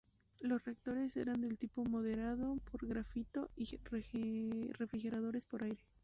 Los reactores eran del tipo moderado por grafito y refrigerados por aire.